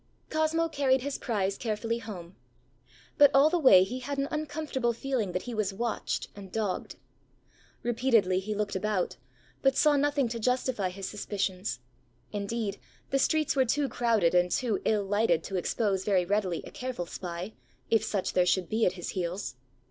ã Cosmo carried his prize carefully home. But all the way he had an uncomfortable feeling that he was watched and dogged. Repeatedly he looked about, but saw nothing to justify his suspicions. Indeed, the streets were too crowded and too ill lighted to expose very readily a careful spy, if such there should be at his heels.